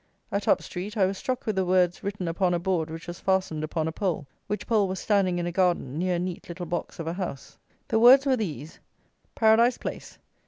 At Up street I was struck with the words written upon a board which was fastened upon a pole, which pole was standing in a garden near a neat little box of a house. The words were these. "PARADISE PLACE.